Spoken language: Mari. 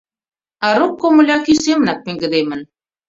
А рок комыля кӱ семынак пеҥгыдемын.